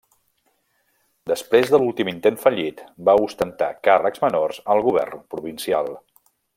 Després de l'últim intent fallit, va ostentar càrrecs menors al govern provincial.